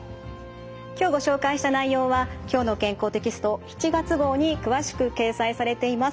今日ご紹介した内容は「きょうの健康」テキスト７月号に詳しく掲載されています。